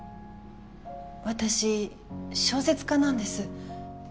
私小説家なんです。